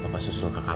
udah bart siapa